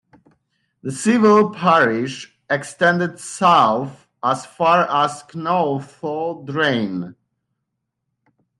The civil parish extends south as far as Kennulph's Drain.